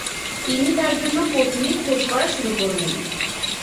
তিনি তার জন্য পত্নীর খোঁজ করা শুরু করলেন।